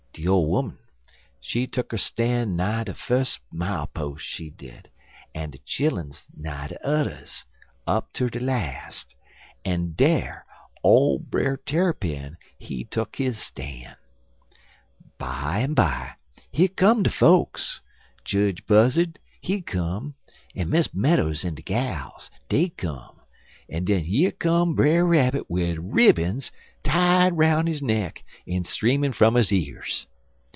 De ole 'oman, she tuck 'er stan' nigh de fus' mile pos', she did, en de chilluns nigh de udders, up ter de las', en dar old Brer Tarrypin, he tuck his stan'. Bimeby, here come de fokes: Jedge Buzzard, he come, en Miss Meadows en de gals, dey come, en den yer come Brer Rabbit wid ribbons tied 'roun' his neck en streamin' fum his years.